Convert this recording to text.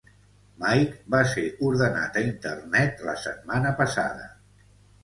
Mike va ser ordenat a Internet la setmana passada.